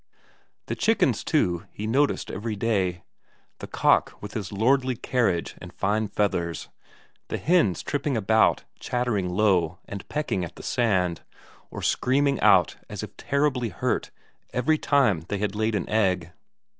The chickens, too, he noticed every day: the cock with his lordly carriage and fine feathers, the hens tripping about chattering low, and pecking at the sand, or screaming out as if terribly hurt every time they had laid an egg.